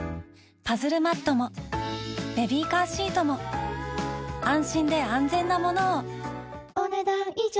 パズルマットもベビーカーシートも安心で安全なものをお、ねだん以上。